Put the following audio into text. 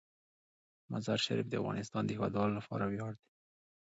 مزارشریف د افغانستان د هیوادوالو لپاره ویاړ دی.